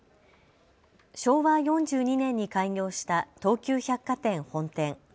昭和４２年に開業した東急百貨店本店。